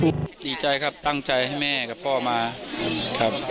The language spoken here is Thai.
ดีใจครับตั้งใจให้แม่กับพ่อมาครับ